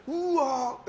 え？